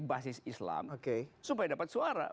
basis islam supaya dapat suara